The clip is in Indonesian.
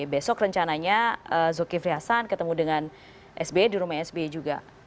besok rencananya zulkifri hasan ketemu dengan sbe di rumah sbe juga